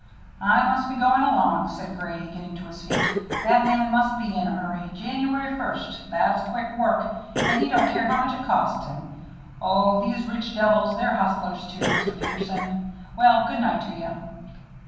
"I must be going along," said Grady, getting to his feet. "That man must be in a hurry. January first! That's quick work, and he don't care how much it costs him. Oh, these rich devils! They're hustlers, too, Mr. Peterson. Well, good night to you."